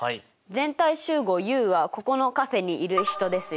全体集合Ｕはここのカフェにいる人ですよ。